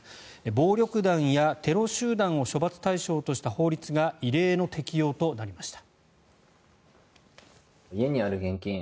暴力団やテロ集団を処罰対象とした法律が異例の適用となりました。